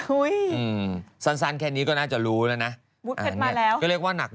อุ้ยอืมสันแค่นี้ก็น่าจะรู้แล้วนะ